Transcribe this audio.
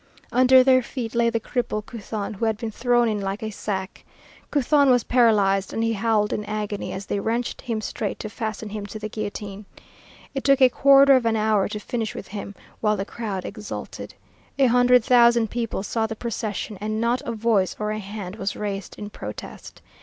Under their feet lay the cripple Couthon, who had been thrown in like a sack. Couthon was paralyzed, and he howled in agony as they wrenched him straight to fasten him to the guillotine. It took a quarter of an hour to finish with him, while the crowd exulted. A hundred thousand people saw the procession and not a voice or a hand was raised in protest.